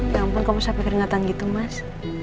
ya ampun kamu sampai keringatan gitu mas